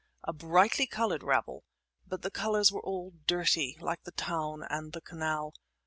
—a brightly coloured rabble, but the colours all were dirty, like the town and the canal.